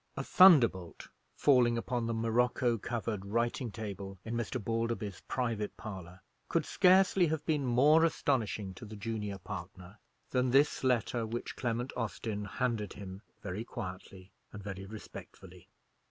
A thunderbolt falling upon the morocco covered writing table in Mr. Balderby's private parlour could scarcely have been more astonishing to the junior partner than this letter which Clement Austin handed him very quietly and very respectfully.